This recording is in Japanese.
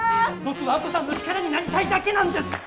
僕は亜子さんの力になりたいだけなんです！